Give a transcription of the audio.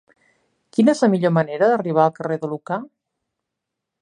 Quina és la millor manera d'arribar al carrer de Lucà?